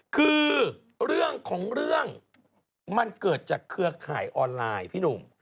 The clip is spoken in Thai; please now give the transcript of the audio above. คือเรื่องของเรื่องมันเกิดจากเครือข่ายออนไลน์พี่หนุ่ม